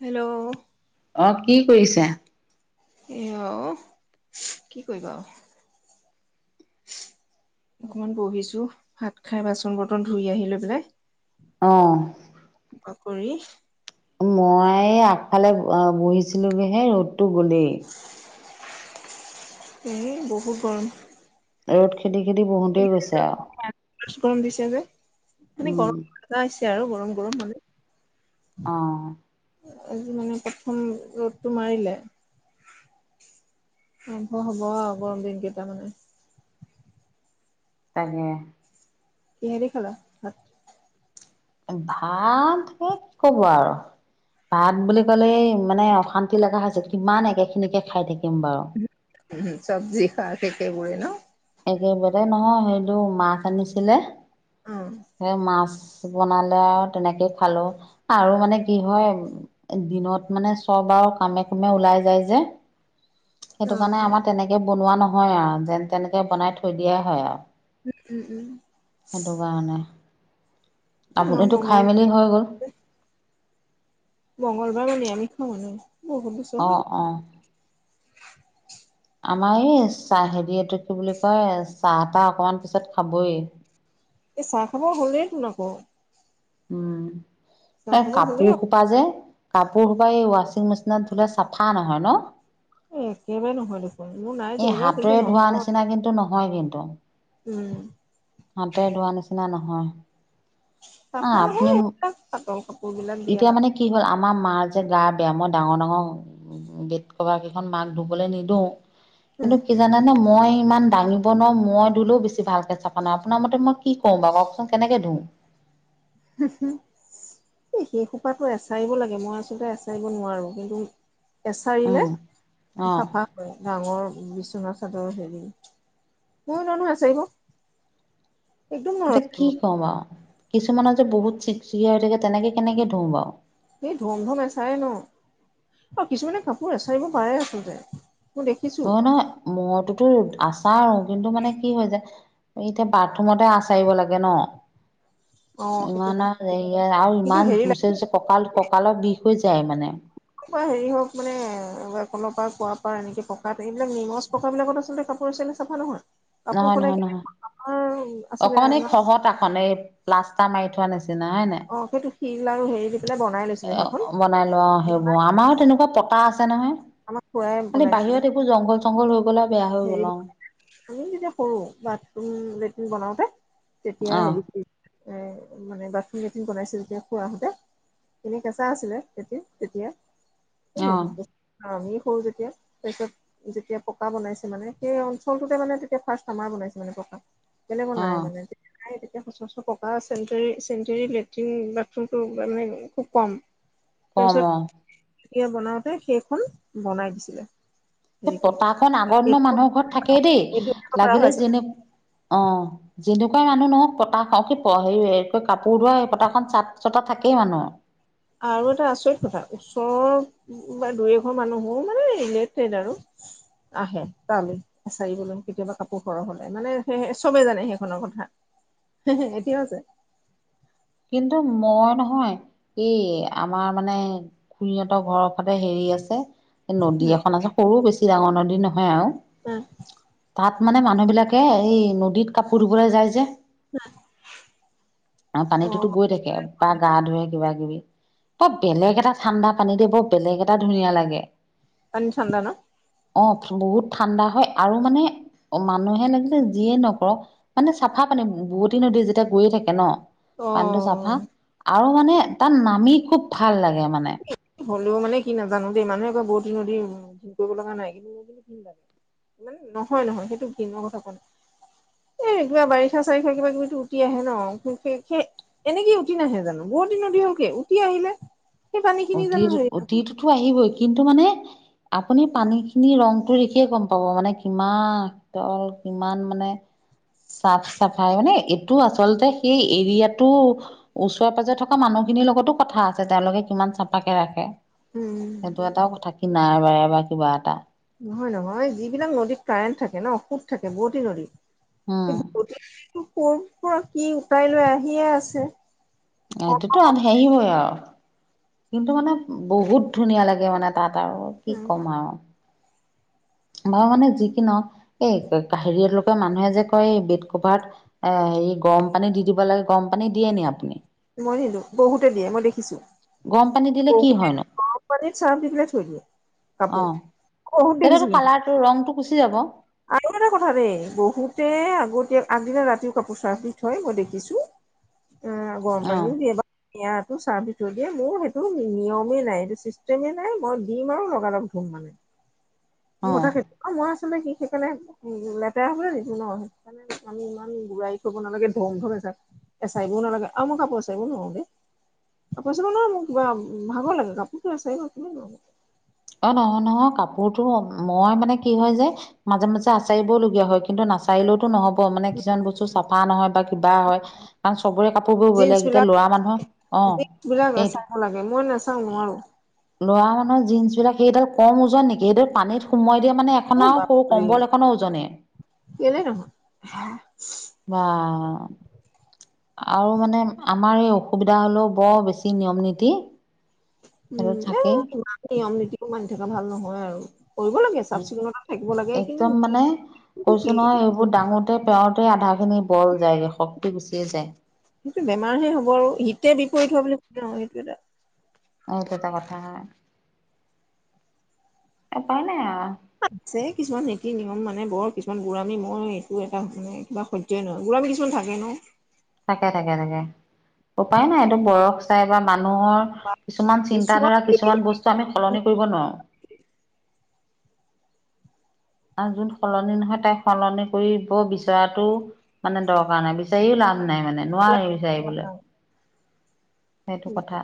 Hello. অঁহ', -কি কৰিছা। এ' অহ', - কি কৰিবা আৰু। অকণমান বহিছো ভাত খাই বাচন বৰ্তন ধুই আহি লৈ পেলাই। অঁ। আকৌ ই- মই আগফালে বহিছিলোগৈ'হে ৰ'দটো গ'লেই। [inaudible] এই বহুত গৰম। ৰ'দ খেদি- খেদি বহুতেই গৈছে আৰু। গৰম দিছে যে মানে উম। গৰম হৈছে আৰু গৰম-গৰম অ মানে। আজি মানে প্ৰথম ৰ'দটো মাৰিলে। আৰম্ভ হ'ব আৰু গৰম দিন কেইটা মানে। তাকে। কিহে দি খালা? ভাত ভাল কি ক'ব আৰু। ভাত বুলি ক'লেই মানে অশান্তি লগা হৈছে, কিমান একেখিনিকে খাই থাকিম বাৰু। উম' চব্জি খাই একেইবোৰে ন। একেবাৰে নহয় সেইটো মাছ আনিছিলে, অ সেই মাছ- বনালে আৰু তেনেকে খালো। আৰু মানে কি হয়- দিনত মানে চব আৰু কামে-কামে ওলাই যায় যে। সেইটো উম কাৰণে আমাৰ তেনেকে বনোৱা নহয় আৰু, যেন তেনেকে বনাই থৈ দিয়াই হয় আৰু। উম-উম-উম। উম-উম। আপুনিতো খাই মংগল মেলি হৈ গ'ল? মংগলবাৰ মানে আমি খোৱা। [inaudible] অঁহ', -অঁহ', -। আমাৰ এই চাহ হেৰি এইটো কি বুলি কয় চাহ-তাহ অকণমান পিছত খাবই। এ' চাহ খাব হ'লেই তোন আকৌ? উম। চাহ এ' খাব হ'লেই কাপোৰ- হোপা যে কাপোৰ সোপা এই ৱাশ্বিং মেচিনত ধুলে চাফা নহয় ন। এ' একেবাৰে নহ'লে দে। মোৰ নাই। এই যেনিবা হাতে কিন্তু ধোৱা নহয় নিচিনা কিন্তু নহয় কিন্ত। উম হাতে ধোৱা নিচিনা নহয়। আহ আমাৰ সেই আপুনি এইবিলাক চাপৰ কাপোৰ বিলাক দিয়া এতিয়া হয়। মানে কি হ'ল আমাৰ মাঁৰ যে গা বেয়া। মই ডাঙৰ-ডাঙৰ- বেদ কভাৰ কেইখন মাক ধুবলৈ নিদিওঁ উম কিন্তু। কি জানানে মই ইমান দাঙিব নোৱাৰোঁ মই দিলেও বেছি ভালকৈ চাফা নাহয়। আপোনাৰ মতে মই- কি ক'ম বাও কওকচোন কেনেকে ধুও? এই সেই সোপাটো এচাৰিব লাগে মই আচলতে এচাৰিব নোৱাৰো কিন্তু। এছাৰিলে উম অ চাফা হয়। ডাঙৰ বিচনা চাদৰ হেৰি- [unintelligible] একদম নোৱাৰো এতিয়া কি এচাৰিব কওঁ বাৰু, কিছুমানৰ যে বহুত চিক-চিকিয়া হৈ থাকে তেনেকে কেনেকে ধুওঁ বাৰু। এই ধম ধম এচাৰে ন' আৰু কিছুমানে কাপোৰ এচাৰিব পাৰে আচলতে। মই দেখিছো নহয় নহয়, মইতো তোৰ আছাৰু কিন্তু মানে কি হৈ যায় এতিয়া বাথৰুমতে আচাৰিব লাগে ন'। অ সেইটো ইমান এটা আৰু হেৰি আৰু কিন্তু ইমান হেৰি লাগে জুৰছে জুছে, কঁকাল ককালৰ বিষ হৈ যায় মানে। [unintelligible] হেৰি হওক মানে কলৰপৰা কোৱা পাৰ এনেকে পকাত এইবিলাক নিমচ পকাবিলাকত আচলতে কাপোৰ আছেনে চাফা নহয়। কাপোৰ নহয় সদায় নহয় নহয়, আছিলে অকমান এই আমাৰ খহত আখন এই লাষ্টাৰ মাৰি থোৱা নিচিনা হয় নাই? অ' সেইটো শিল আৰু হেৰি [unintelligible] বনাই লৈ এ, বনাই লোৱা সেইবোৰ। আমাৰো তেনেকুৱা পকা আছে নহয়। আমাক খুৰাই [unintelligible] খানি বনাই দিছিলে বাহিৰত এইবোৰ জংঘল চংঘল হৈ গ'লে বেয়া হৈ হেৰি গ'ল অ'। আমি যেতিয়া সৰু বাথৰুম লেট্ৰিন বনাওতে, তেতিয়া অ হেৰি এ, মানে বাথৰুম, লেটিন বনাইছিলে যেতিয়া খুৰাহঁতে এনে কেঁচা আছিলে লেটিন তেতিয়া, এ, অ বহুত ব আমি সৰু যেতিয়া তাৰপিছত যেতিয়া পকা বনাইছে মানে, সেই অঞ্চলটোতে মানে তেতিয়া ফাৰ্ষ্ট আমাৰ বনাইছে মানে পকা। কেলে অ বনাই মানে [unintelligible] নাই, তেতিয়া [unintelligible] পক চেনটেৰী চেনটেৰী লেট্ৰিন বাথৰুমটো মানে খুব কম। কম অ তাৰপিছত এয়া বনাওঁতে সেইখন বনাই দিছিলে। সেই হেৰি কৰি পতাখনন আগৰ দিনৰ এইটো মানুহৰ ঘৰত থাকেই দেই, এইটো কৰা লাগিলে হৈছে যেনে, অ'। যেনেকুৱাই মানুহ নহওক পতা কি হেৰি কাপোৰ ধোৱা পতাখন চাট চতা থাকেই মানুহৰ। আৰু এটা আচৰিত কথা, ওচৰৰত বা দুই এঘৰ মানুহো মানে ৰিলেটেট আৰু আহে তালে। চাৰি বলম কেতিয়াবা কাপোৰ সৰহ হ'লে, মানে সে চবে জানে সেইখনৰ কথা। এতিয়াও আছে। কিন্তু মই নহয়, এই আমাৰ মানে খুুৰীহঁতৰ ঘৰৰ তে হেৰি আছে নদী এখন আছে, সৰু বেছি ডাঙৰ নদী নহয় আৰু। এ তাত মানে মানুহবিলাকে এই নদীত কাপোৰ ধুবলৈ যায় যে আৰু পানীটোতো গৈ থাকে বা গা ধুুৱে কিবা কিবি। [unintelligible] বেলেগ এটা ঠাণ্ডা পানী দে, বৰ বেলেগ এটা ধুনীয়া লাগে। পান চান্দা ন'? অ' বহুত ঠাণ্ডা হয় আৰু মানে অ' মানুহে লাগিলে যিয়ে নকৰক, মানে চাফা পানী বুৱতী নদী যেতিয়া গৈ থাকে ন'। অ পানীটো চাফা আৰু মানে তাত নামি খুব ভাল লাগে মানে। হ'লেও মানে কি নাজানো দেই, মানুহে কয় বোৱতী নদী [unintelligible] কৰিব লগা নাই [unintelligible] নহয় নহয় সেইটো [unintelligible] এ, কিবা বাৰিষা চাৰিষা কিবা কিবি উঠি আহে ন' সে-সে এনেকে উঠি নাহে জানো, বোৱতী নদী কি উঠি আহিলে। সেই পানী খিনি অতী জানো হেৰি অতীটোতো আহিবই কিন্তু মানে আপুনি পানীখিনি, ৰংটো দেখিয়ে গম পাব মানে কিমান তল কিমান মানে চাফ চাফাই মানে এ টো আচলতে সেই এৰিয়াটো ওচৰে পাজৰে থকা মানুহখিনিৰ লগতো কথা আছে, তেওঁলোকে কিমান চাফাকে ৰাখে। উম সেইটো এটাও কথা কি নাই বাৰে বা কিবা এটা নহয় নহয় যিবিলাক নদীত কাৰেণ্ট থাকে ন সোত থাকে বুৱতি উম নদীত কৰ পৰা কি উটাই লৈ আহিয়ে আছে অ এইটোতো হেৰি হয় কিন্তু মানে বহুত ধুনীয়া লাগে মানে তাত আৰু কি উম ক'ম আৰু আমাৰ মানে যি কি নহওঁক এই কাহেৰি লোকে মানুহে যে কয় এই বেড কভাৰ এ হেৰি গৰম পানী দি দিব লাগে গৰম পানী দিয়ে নি আপুনি মই নিদো বহুতে দিয়ে মই দেখিছো গৰম পানী দিলে কি হয় নো পনীত ছাৰ্ফ দি পেলাই থৈ দিয়ে অ কাপোৰ বহুত দেখিছো তেতিয়াটো কিন্তু কালাৰটো ৰংটো গুচি যাব আৰু এটা কথা দেই বহুতে আগতীয়া আগদিনা ৰাতিও কাপোৰ ছাৰ্ফ দি থয় মই দেখিছো উম গৰম অ পানী দিয়ে বাৰু টো ছাৰ্ফ দি থৈ দিয়ে মোৰ সেইটো নিয়মেই নাই। সেইটো চিষ্টেমে নাই মই দিম আৰু লগালগ ধুম মানে। মোৰ কথা অ সেইটো, মই আচলতে সি সেইকাৰণে লেতেৰা হব নিদো ন আমি ইমান বুঢ়াই কৰিব নালাগে ধম ধমে চা এ, চাইবও নালাগে আৰু, মই কাপোৰ আছে সেইবোৰ নোৱাৰোঁ দেই আপাৰ আছামত ন' মোক কিবা ভাগৰ লাগে কাপোৰতো আছে ন' কিমান অ', নহয় নহয় কাপোৰটো, মই মানে কি হয় যে মাজে মাজে আচাৰিবও লগীয়া হয় কিন্তু নাচাৰিলওতো নহব ক, মানে কিছুমান বস্তু চাফা নহয় বা কিবা হয়। কাৰণ চবৰে কাপোৰবোৰ জিন্চ বেলেগ। এতিয়া বিলাক লৰা মানুহ। অ'। জিন্চ বিলাক এ এই চাব লাগে মই নাচাওঁ নোৱাৰো লৰা মানুহৰ জিন্চ বিলাক সেইডাল কম ওজন নেকি সেইডাল পানীত সোমোৱাই দিয়া মানে অ এখন আৰু সৰু বাপৰে কম্বল এখনো ওজনেই কেলে নহয় বা আৰু মানে আমাৰ এই অসুবিধা হ'লেও বৰ বেছি নিয়ম নীতি সেইটো উম এই থাকেই ইমান নিয়ম নীতিও মানি থকা ভাল নহয় আৰু কৰিব লাগে চাফ চিকুণতা থাকিব লাগে সেইখিনি কিন্তু কি ডাঙোতে পেৰতে আধা খিনি বল যায়গৈ শক্তি গুচিয়ে যায় ইটো বেমাৰহে হ'ব হীতে বিপৰীত হোৱা বুলি সেইটো এটা। অ', সেইটো এটা কথা। উপায় নাই আৰু। কিছুমান নীতি নিয়ম মানে বৰ কিছুমান বুঢ়ামি মই এইটো এটা মানে কিবা স গোলাম কিছুমান থাকে ন'। তাকে তাকে তাকে। উপায় নাই এইটো বয়স চাই বা মানুহৰ বা কিছুমান চোৱা চিন্তাধাৰা কিছুমান বস্তু আমি সলনি কৰিব নোৱাৰো। আৰু যোন সলনি নহয় তাই সলনি কৰি ব বিচৰাটো। মানে দৰকাৰ নাই বিচাৰিও লাভ নাই মানে নোৱাৰি বিচাৰিবলে। সেইটো কথা।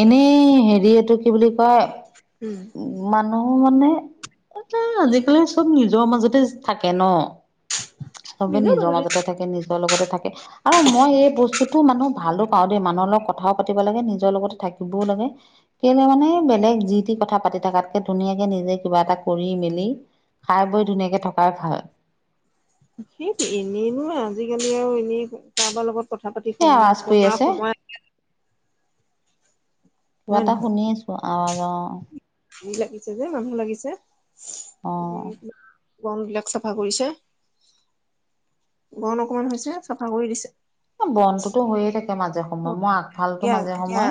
এনে হেৰি এইটো কি বুলি কয়। উম। উম, মানুহ মানে আজিকালি চব নিজৰ মাজতে থাকে ন'। চবে নিজৰ মাজতে থাকে, নিজৰ লগতে থাকে। আৰু মই এই বস্তুটো মানুহ ভালো, পাওঁ দেই মানুহৰ লগত কথাও পাতিব লাগে, নিজৰ লগতো থাকিবও লাগে, কেলে মানে বেলেগ যি টি কথা পাতি থাকাতকে ধুনীয়াকে নিজে কিবা এটা কৰি মেলি, খাই বৈ ধুনীয়াকে থকাই ভাল। সেইটো এনেইনো আজিকালি আৰু এনেই কাৰোবাৰ লগত কথা পাতি কি সময় আৱাজ নষ্ট কৰি কৰা আছে সময়, কিবা হয় এটা শুনি আছো আৱাজ অ, ভিৰ লাগিছে যে মানুহ লাগিছে। উম। বন বিলাক চাফা কৰিছে। বন অকমান হৈছে চাফা কৰি দিছে। এ বনতোটো হৈয়ে থাকে মাজে সময়, মই আগফালতো এতিয়া মাজে এতিয়া সময়,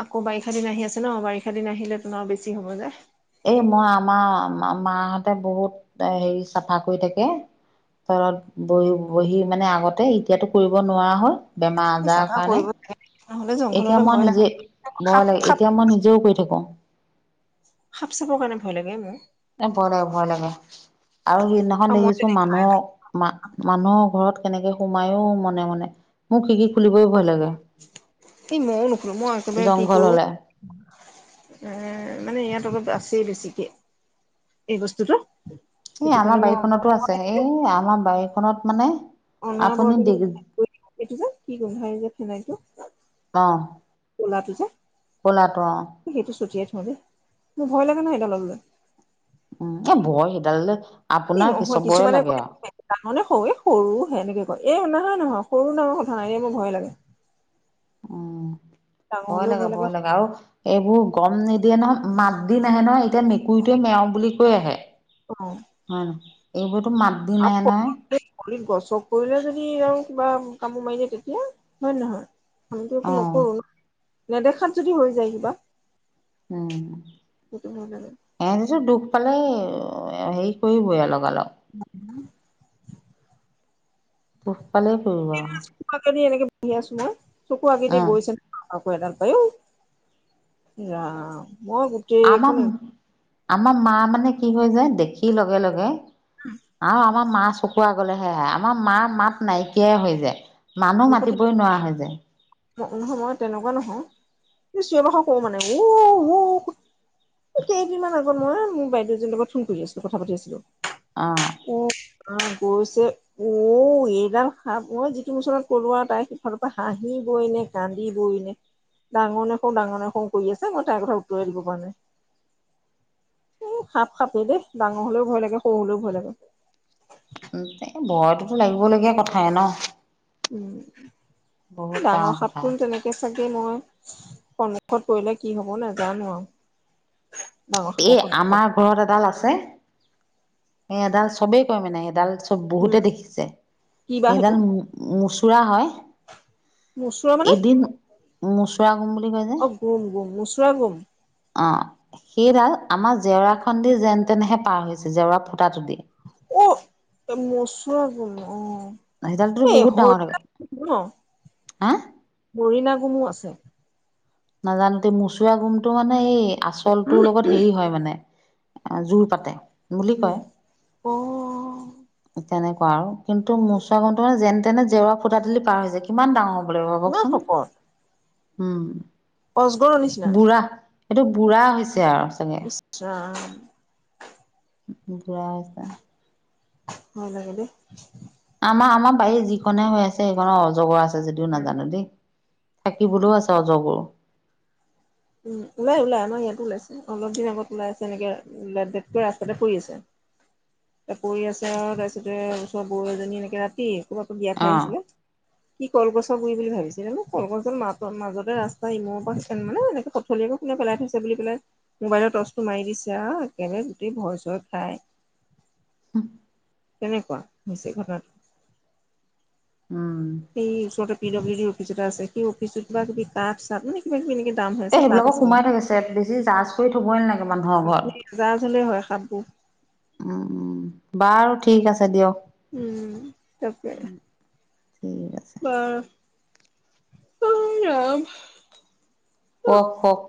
আকৌ বাৰিষা দিন আহি আছে ন', বাৰিষা দিন আহিলে তোন আৰু বেছি হ'ব যে। এই মই আমাৰ মা-মাহতে বহুত হেৰি চাফা কৰি থাকে। তলত বহি বহি মানে আগতে এতিয়াতো কৰিব নোৱাৰা হ'ল, বেমাৰ এই আজাৰৰ চাফা কাৰণে। কৰিব লাগে নহ'লে এতিয়া জংঘললৈ মই ভয় লাগে নিজে মই সাপ এনে সাপ এতিয়া মই নিজেও কৰি থাকো। সাপ চাপৰ কাৰণে ভয় লাগে মোৰ। এ, ভয় লাগে ভয় লাগে আৰু সিদিনাখন আৰু মই দেখিছো যদি মানুহ, মা মানুহৰ ঘৰত কেনেকে সোমায়ো মনে মনে, মোৰ খিৰিকী খুলিবই ভয় লাগে। এই মইও নুখুলো মই একেবাৰে কি জংঘল কৰো, হলে উম, মানে ইয়াত অলপ আছেই বেছিকে। এই বস্তুটো। এ, সেইটো আমাৰ কাৰণে মই বাৰীখনতো আছে, অন্য এই আমাৰ বাৰীখনত মানে, আপুনি অনবৰটে দি স যে সেইটো যে কি গোন্ধাই যে ফেনাইলটো, ক'লাটো যে কলটো অ সেইটো ছুটিয়াই থো দেই মোৰ ভয় লাগে নহ সেইটো লগ লৈ, উম এ ভয় সিডাল আপোনাৰ চবৰে লাগে আৰু, ডাঙনে সৰু সৰু সেনেকে কয় এই নহয় নহয় সৰু ডাঙৰ কথা নাই এয়া মোৰ ভয়ে লাগে, উম ভয় লাগে ভয় লগাগে আৰু, এইবোৰ গম নিদিয়ে নহয় মাত দি নাহে নহয় এতিয়া মে, মেকুুৰিটোৱে মেও বুলি কৈ আহে হয়ে নহয় এইবোৰতো মাত, দি আ নাহে নহয় [unintelligible] গছক কৰিলে যদি আৰু কিবা কামোৰ মাৰিলে তেতিয়া, হয় নে নহয়? আমিতো অ একো নকৰো। নেদেখাত যদি হৈ যায় কিবা। উম, সেইটো ভয় লাগে ইহঁতি যে দুখ পালে হেৰি কৰিবই আউ লগা লগ। [inaudible] দুখ পালেই কৰিব আউ। কৰবাত যদি এনেকে বহি আছো মই, চকুৰ আগেদি উম গৈছে নে, আকৌ এদাল এই। এ, ৰাম। মই আমাম গোটেইখন আমাৰ মা মানে কি হৈ যে দেখি লগে লগে, হম আৰু আমাৰ মা চকুৰ আগলেহে আহে, আমাৰ মা মাত নাইকিয়াই হৈ যায়। মানুহ মুখতে মাতিবই নোৱাৰা হৈ যায়। নহয় মই তেনেকুৱা নহয় চিঞৰ বাখৰ কৰো মানে উ উ, কেইদিনমান আগত মই মোৰ বাইদেউ এজনীৰ লগত ফোন কৰি আছিলো কথা পাতি আছিলো। অ ও আ গৈছে ঔ এইডাল সাপ অ যিটো মুচনত কলো আৰু তাইৰ সিফালৰ পৰা হাঁহি, বও এনে কান্দিবই নে ডাঙৰ নাফু ডাঙৰ নাফু কৰি আছে, মই তাইৰ কথা উত্তৰেই দিব পৰা নাই। এহ সাপ খাপেই দেই, ডাঙৰ হলেও ভয় লাগে সৰু হলেও ভয় লাগে। ভয়টোতো লাগিবলগীয়া কথাই নহয়। ডাঙৰ সাপটো তেনেকে হে চাগে মই, সন্মুখত পৰিলে কি হব নেজানো আৰু ডাঙৰ এই সাপৰ সন্মুখত আমাৰ ঘৰত এডাল আছে। সেই এডাল চবেই কয় মানে এডাল বহুতে উম দেখিছে, কি বা সেইটো সেইডাল মুচুৰা হয়। মুচুৰা মানে মুচুৰাম বুলি কয় যে অহ গুম গুম, মচুৰা গুম অ সেইডাল, আমাৰ জেওৰা খন দি যেন তেনহে পাৰ হৈছে, জেওৰা ফুটাটো দি অ মচুৰাম গুম সেইডালতো অহ এই বহুত ডাঙৰ থাকে হৰিণা নহ, হা হৰিণা গুমো আছে। নাজানো দেই মোচোৱাম গুমটো মানে এই, আচলটোৰ লগত হেৰি হয় মানে অহ, জোৰ পাতে বুলি কয় উম, অহ তেনেকুৱা আৰু কিন্তু মোচাৱাম গণটো মানে যেন তেনে জেওৰা ফুটা দিলি পাৰ হৈ যায়। কিমান ডাঙৰ হ'ব লাগিব কওকচোন ইমান ভাবকচোন, শকত উম। অজগৰ নিচি বুঢ়া, এইটো বুঢ়া হৈছে আৰু চাগে আচ্ছা বুঢ়া ভয় লাগে দেই আমাৰ আমাৰ বাৰীত যিখনহে হৈ আছে, সেইখনৰ অজগৰ আছে যদিও উম নাজানো দেই থাকিবলৈও আছে অজগৰ উম ওলাই ওলাই, আমাৰ ইয়াতো ওলাইছে, অলপদিন আগত ওলাই আছে এনেকে ডেটকৈ ৰাস্তাতে পৰি আছে। [inaudible] এহ পৰি আছে আৰু তাৰপিছতে ওচৰৰ বও এজনী এনেকে ৰাতি, কবাৰপা বিয়া অ খাই আহিছিলে সি কলগছৰ গুৰি বুলি ভাবিছিলে, মই কলগছদাল মাজতে ৰাস্তা ইমোৰ পৰা মানে এনেকে পথলিয়াকে কোনে পেলাই থৈছে বুলি পেলাই, মোবাইলৰ টৰ্চটো মাৰি দিছে আৰু একেবাৰে গোটেই ভয় চয় খাই [inaudible] তেনেকুৱা হৈছে ঘটনাটো উম এই ওচৰতে পি ডব্লিউ অফিচ এটা আছে। সেইঅফিচত কিবা কিবি কাম চাপ নেকি কিবা কিবি এনেকে দাম হয়। এই সেইবিলাকত সোমাই থাকে, ছেট বেছি জাজ কৰি থবই নালাগে মানুহৰ ঘৰত জাজ হলেই হয়, সাপবোৰ উম উম, বাৰু ঠিক আছে দিয়ক উম তাকে, ঠিক আছে বাৰু অই ৰাম কুৱক কোৱক